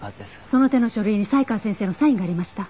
その手の書類に才川先生のサインがありました。